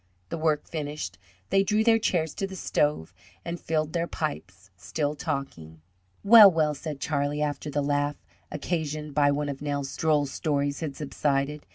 The work finished, they drew their chairs to the stove, and filled their pipes, still talking. "Well, well," said Charlie, after the laugh occasioned by one of Nels' droll stories had subsided.